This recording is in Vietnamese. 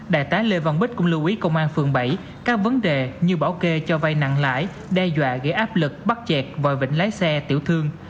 đại tá lê văn bích cũng lưu ý công an phường bảy các vấn đề như bảo kê cho vay nặng lãi đe dọa gây áp lực bắt chẹt vòi vĩnh lái xe tiểu thương